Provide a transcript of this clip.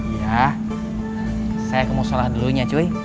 iya saya mau sholat dulunya cuy